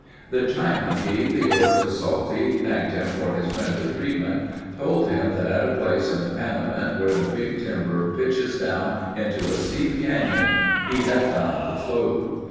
The Chinaman gave the ore to Salty, thanked him for his friendly treatment, told him that at a place in the Panamint where "the Big Timber pitches down into a steep canyon," he had found the float.